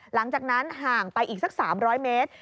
หลังจากนั้นห่างไปอีกสัก๓๐๐เมตร